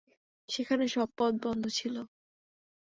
সেখানে সব পথ বন্ধ ছিল।